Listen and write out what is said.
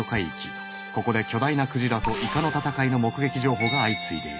ここで巨大なクジラとイカの闘いの目撃情報が相次いでいる。